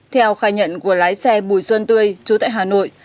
theo khai nhận của lái xe bùi xuân tươi trú tại hà nội